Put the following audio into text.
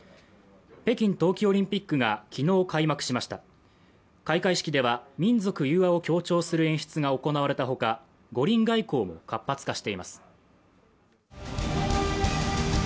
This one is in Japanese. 北京冬季オリンピックが昨日開幕しました開会式では民族融和を強調する演出が行われたほか五輪外交も活発化しています